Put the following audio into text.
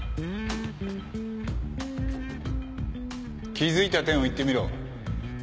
気付いた点を言ってみろ。